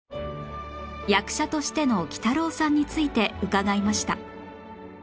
役者としてのきたろうさんについて伺いました